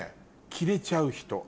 着れちゃう人。